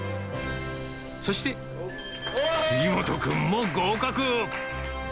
そして、杉本君も合格。